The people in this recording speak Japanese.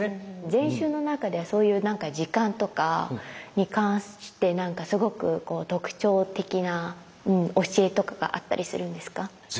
禅宗の中ではそういうなんか時間とかに関してなんかすごく特徴的な教えとかがあったりするんですか？